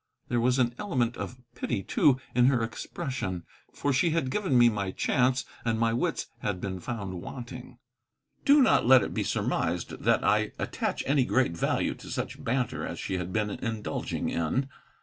There was an element of pity, too, in her expression. For she had given me my chance, and my wits had been found wanting. Do not let it be surmised that I attach any great value to such banter as she had been indulging in.